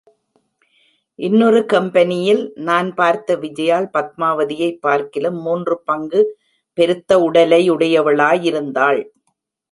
இன்னொரு கம்பெனியில் நான் பார்த்த விஜயாள் பத்மாவதியைப் பார்க்கிலும் மூன்று பங்கு பெருத்த உடலையுடையவளாயிருந்தாள்!